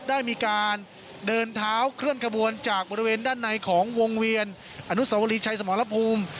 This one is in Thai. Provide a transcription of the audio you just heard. ได้มีการเดินเท้าเคลื่อนขบวนจากบริเวณด้านในของวงเวียนอนุสวรีชัยสมรภูมิ